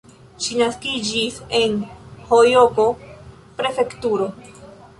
Ŝi naskiĝis en Hjogo-prefektujo.